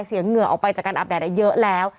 เหงื่อออกไปจากการอาบแดดเยอะแล้ว